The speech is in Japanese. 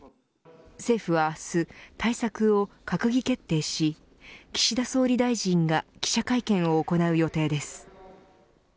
政府は明日、政策を閣議決定し岸田総理大臣が記者会見を行う予定です。